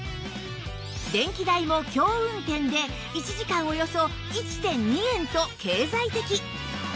電気代も強運転で１時間およそ １．２ 円と経済的